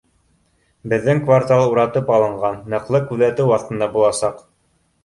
Беҙҙең квартал уратып алынған, ныҡлы күҙәтеү аҫтында буласаҡ